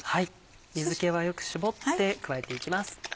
水気はよく絞って加えていきます。